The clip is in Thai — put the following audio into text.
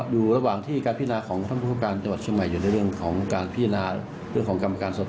อยู่ระหว่างที่การพิมารของท่านปศักดิ์ประภาคท่านจังหวัดเชียงใหม่อยู่ในเรื่องของการพิมาร